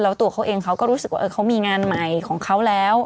แล้วตัวเขาเองเขาก็รู้สึกว่าเขามีงานใหม่ของเขาแล้ว